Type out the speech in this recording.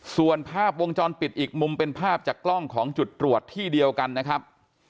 ส่วนภาพวงจรปิดอีกมุมเป็นภาพจากกล้องของจุดตรวจที่เดียวกันนะครับ